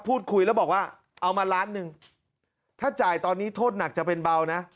พูดคุยแล้วบอกว่าเอามาล้านหนึ่งถ้าจ่ายตอนนี้โทษหนักจะเป็นเบานะ